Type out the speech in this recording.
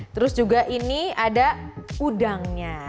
terus juga ini ada udangnya